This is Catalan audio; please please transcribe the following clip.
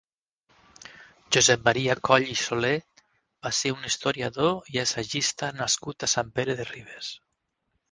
Josep Maria Coll i Soler va ser un historiador i assagista nascut a Sant Pere de Ribes.